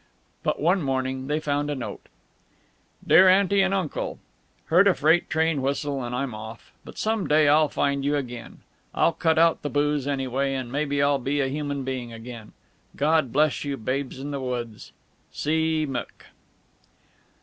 But one morning they found a note: DEAR AUNTY AND UNCLE: Heard a freight train whistle and I'm off. But some day I'll find you again. I'll cut out the booze, anyway, and maybe I'll be a human being again. God bless you babes in the woods. C. McK.